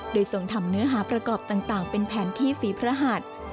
โดยทรงทำเนื้อหาประกอบต่างเป็นแผนที่ฝีพระหัส